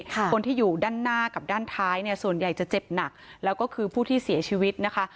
คนที่อยู่ด้านหน้ากับด้านท้ายเนี่ยส่วนใหญ่จะเจ็บหนักแล้วก็คือผู้ที่เสียชีวิตนะคะ